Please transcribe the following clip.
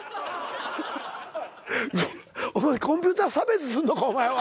コンピューター差別すんのかお前は。